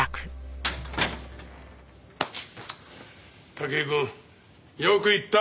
武井くんよく言った！